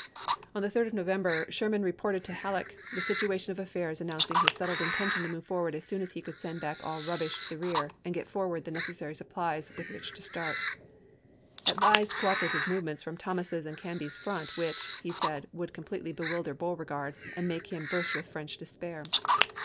On the 3d of November Sherman reported to Halleck the situation of affairs announcing his settled intention to move forward as soon as he could send back all rubbish to the rear and get forward the necessary supplies with which to start ; advised cooperative movements from Thomas's and Can by 's front which, he said, would completely bewilder Beauregard and make him "burst with French despair."